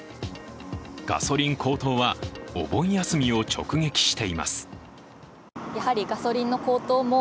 ガソリン高騰はお盆休みを直撃しています。